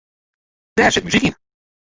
Dêr sit muzyk yn.